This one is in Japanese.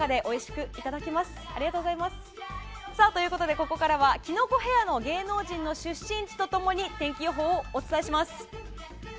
ということでここからはキノコヘアの芸能人の出身地とと共に天気予報をお伝えします。